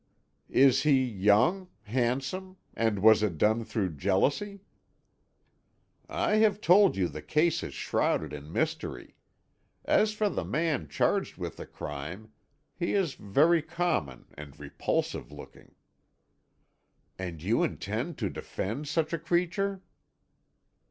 "Is he young handsome and was it done through jealousy?" "I have told you the case is shrouded in mystery. As for the man charged with the crime, he is very common and repulsive looking." "And you intend to defend such a creature?"